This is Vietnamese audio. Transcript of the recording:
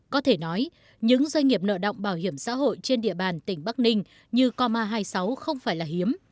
có thể nói những doanh nghiệp nợ động bảo hiểm xã hội trên địa bàn tỉnh bắc ninh như coma hai mươi sáu không phải là hiếm